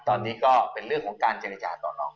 ตอนนี้ก็เป็นเรื่องของการเจรจาต่อรอง